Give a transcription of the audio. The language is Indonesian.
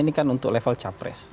ini kan untuk level capres